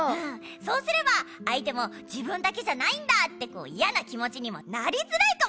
そうすれば相手も自分だけじゃないんだっていやな気もちにもなりづらいかもしれないメラ。